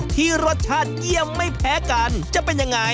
ที่รสชาติเยี่ยมไม่แพ้กัน